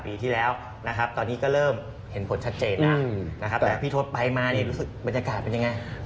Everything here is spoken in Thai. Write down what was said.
หลายปีที่แล้วตอนนี้ก็เริ่มเห็นผลชัดเจนแต่พี่ทศไปมารู้สึกบรรยากาศเป็นยังไง